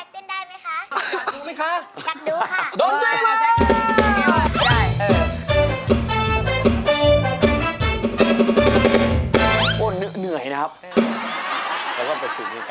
พี่แซคเต้นได้ไหมคะอยากดูไหมคะ